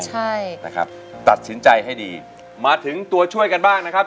ใช่นะครับตัดสินใจให้ดีมาถึงตัวช่วยกันบ้างนะครับ